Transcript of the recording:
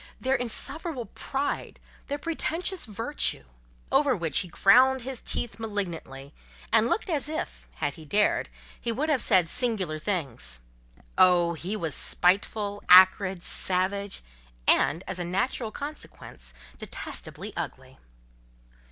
their insufferable pride, their pretentious virtue: over which he ground his teeth malignantly, and looked as if, had he dared, he would have said singular things. Oh! he was spiteful, acrid, savage; and, as a natural consequence, detestably ugly.